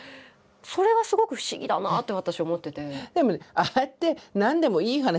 それがすごく不思議だなって私思ってて。